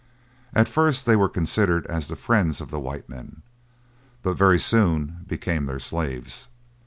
At first they were considered as the friends of the white men, but very soon became their slaves.